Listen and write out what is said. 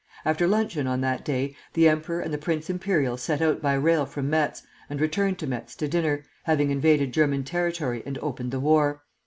After luncheon on that day, the emperor and the Prince Imperial set out by rail from Metz, and returned to Metz to dinner, having invaded German territory and opened the war.